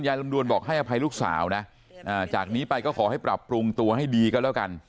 ลำดวนบอกให้อภัยลูกสาวนะจากนี้ไปก็ขอให้ปรับปรุงตัวให้ดีก็แล้วกัน